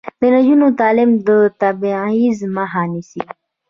د نجونو تعلیم د تبعیض مخه نیسي.